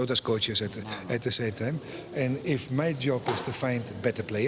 dan jika tugas saya adalah mencari pemain yang lebih baik